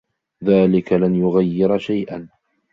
ذلك لن يغير شيء.